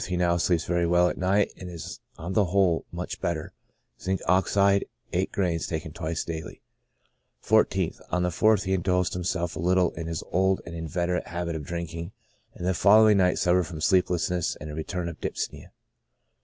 — He now sleeps very well at night, and is on the whole much better. Zinc. Ox., gr.viij, bis die. 14th. — On the 4th he indulged himself a little in his old and inveterate habit of drinking, and the following night suffered from sleeplessness and a return of dyspnoea.